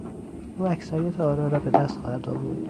او اکثریت آرا را به دست خواهد آورد.